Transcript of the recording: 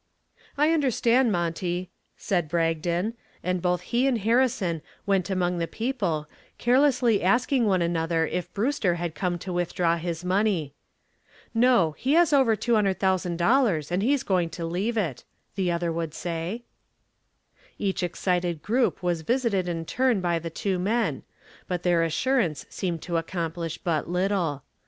"I understand, Monty," said Bragdon, and both he and Harrison went among the people carelessly asking one another if Brewster had come to withdraw his money. "No, he has over $200,000, and he's going to leave it," the other would say. Each excited group was visited in turn by the two men, but their assurance seemed to accomplish but little.